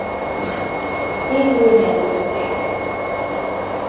Végül megölték.